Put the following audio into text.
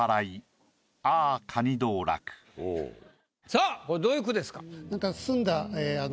さぁこれどういう句ですか？